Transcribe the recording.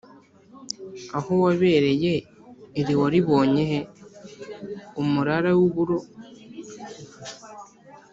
Aho wabereye iri waribonye he ?-Umurara w'uburo.